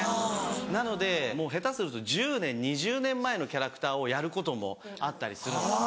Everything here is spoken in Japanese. なので下手すると１０年２０年前のキャラクターをやることもあったりするんです